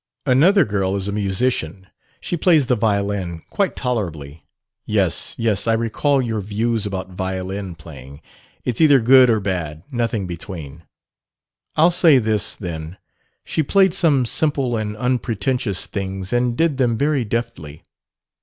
"Another girl is a musician. She plays the violin quite tolerably. Yes, yes, I recall your views about violin playing: it's either good or bad nothing between. I'll say this, then: she played some simple and unpretentious things and did them very deftly.